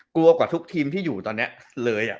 กลัวกว่าทุกทีมที่อยู่ตอนเนี้ยเลยอะ